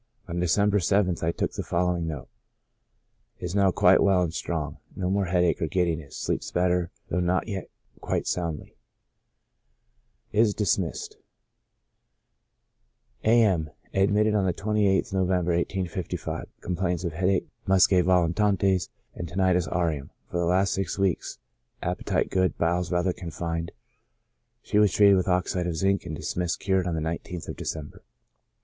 On December the 7th I took the following note: " Is now quite well and strong, no more headache or giddiness, sleeps better, though not yet quite soundly. Is dismissed." A. M —, admitted on the 28th November, 1855. Complains of headache; niuscae volitantes, and tinnitus aurium, for the last six weeks ; appetite good, bowels rather confined ; she was treated with oxide of zinc, and dismissed cured on the 19th of December.